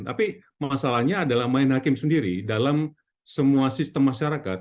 tapi masalahnya adalah main hakim sendiri dalam semua sistem masyarakat